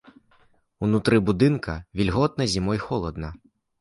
Унутры будынка вільготна, зімой холадна.